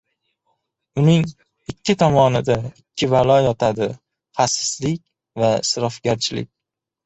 Uning ikki tomonida ikki balo yotadi: xasislik va isrofgarchilik.